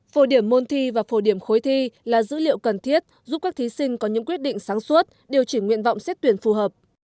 phổ điểm môn thi và phổ điểm khối thi là dữ liệu cần thiết giúp các thí sinh có những quyết định sáng suốt điều chỉnh nguyện vọng xét tuyển phù hợp